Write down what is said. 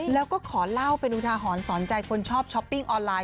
แล้วก็ขอเล่าเป็นอุทาหรณ์สอนใจคนชอบช้อปปิ้งออนไลน